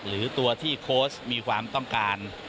หรือตัวที่โค้ชมีความต้องการ